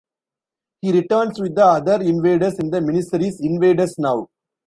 He returns with the other Invaders in the miniseries Invaders Now!